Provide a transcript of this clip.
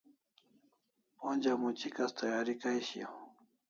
Onja much'ikas tayari kay shiaw